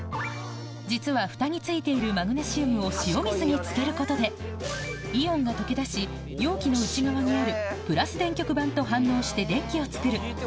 実はフタに付いているマグネシウムを塩水につけることでイオンが溶け出し容器の内側にあるプラス電極板と反応して電気をつくる